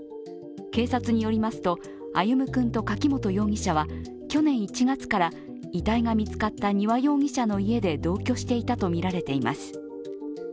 警察によりますと、歩夢君と柿本容疑者は去年１月から遺体が見つかった丹羽容疑者の家で同居していたとみられています。